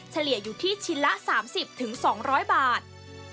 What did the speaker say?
เฉลี่ยอยู่ที่ชิ้นละ๓๐๒๐๐บาท